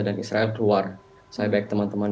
dan israel keluar saya baik teman teman